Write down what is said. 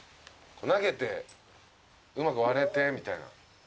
投げてうまく割れてみたいな。